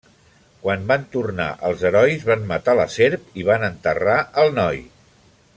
Quan van tornar els herois van matar la serp i van enterrar el noi.